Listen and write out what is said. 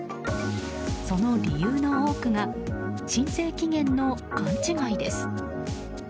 その理由の多くが申請期限の勘違いです。